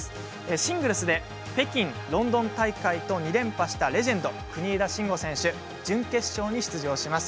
シングルスで北京ロンドン大会と２連覇したレジェンド、国枝慎吾選手が準決勝に出場します。